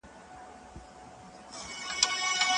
د ولایتونو تر منځ تګ راتګ ډېر اسانه سوی دی.